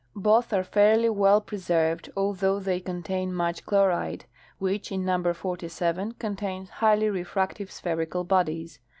Both are fairly well pre served, although they contain much chlorite, which in number 47 contains highly refractive, spherical bodies.